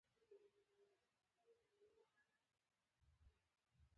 هره شیبه خپل ارزښت لري.